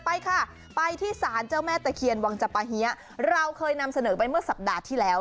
ไปค่ะไปที่ศาลเจ้าแม่ตะเคียนวังจปะเฮียเราเคยนำเสนอไปเมื่อสัปดาห์ที่แล้ว